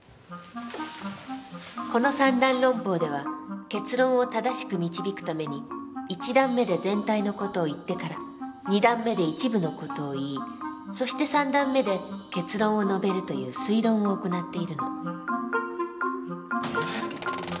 この三段論法では結論を正しく導くために一段目で全体の事を言ってから二段目で一部の事を言いそして三段目で結論を述べるという推論を行っているの。